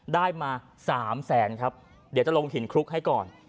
ได้มา๓แสนครับเดี๋ยวจะลงหินคลุกให้ก่อน